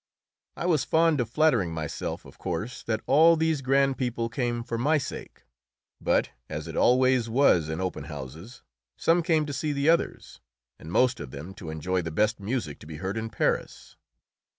I was fond of flattering myself, of course, that all these grand people came for my sake. But, as it always was in open houses, some came to see the others, and most of them to enjoy the best music to be heard in Paris.